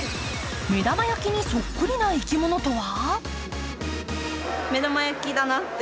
目玉焼きにそっくりな生き物とは？